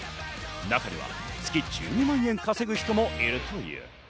中には月１２万円稼ぐ人もいるという。